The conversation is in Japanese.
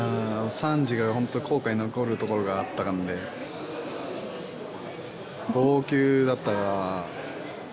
３次がホント後悔残るところがあった感で号泣だった